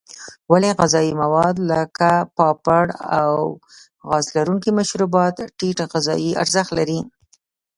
ولې غذایي مواد لکه پاپړ او غاز لرونکي مشروبات ټیټ غذایي ارزښت لري.